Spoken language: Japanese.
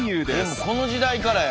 この時代からや。